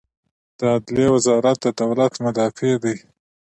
د عدلیې وزارت د دولت مدافع دی